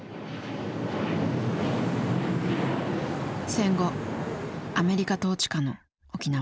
戦後アメリカ統治下の沖縄。